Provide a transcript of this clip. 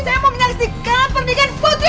saya mau menyaksikan pernikahan putri